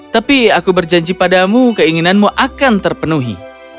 tapi aku berjanji padamu keinginanmu akan terpenuhi